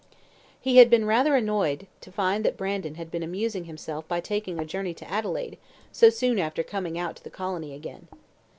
He had been rather annoyed to find that Brandon had been amusing himself by taking a journey to Adelaide so soon after coming out to the colony again.